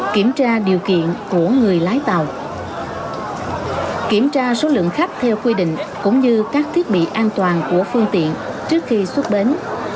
kiểm tra điều kiện của người lái tàu kiểm tra số lượng khách theo quy định cũng như các thiết bị an toàn của phương tiện trước khi xuất bến